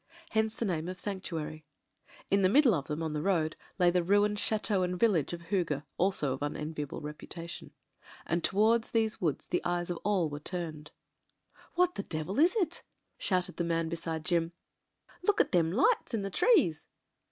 Hence the name of "Sanctuary." In the middle of them, on the road, lay the ruined chateau and village of Hooge — also of unenviable reputation. And towards these woods the eyes of all were turned. "What the devil is it?" shouted the man beside Jim. "Look at them lights in the trees."